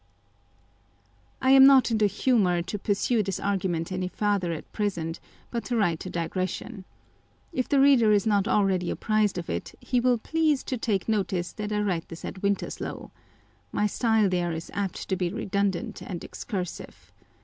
I am not in the humour to pursue this argument any farther at present, but to write a digression. If the reader is not already apprised of it, he will please to take notice that I write this at Winterslow. My style there is apt to be redundant and excursive.